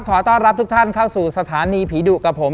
ขอต้อนรับทุกท่านเข้าสู่สถานีผีดุกับผม